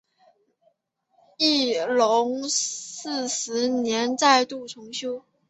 乾隆四十年再度重修。